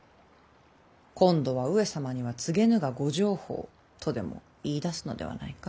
今度は上様には告げぬがご定法とでも言いだすのではないか？